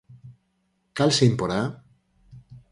Cal se imporá?